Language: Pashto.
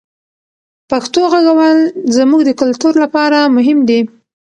پښتو غږول زموږ د کلتور لپاره مهم دی.